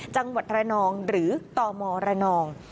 จังหวัดระนองหรือตมระนอง